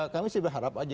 kami sih berharap aja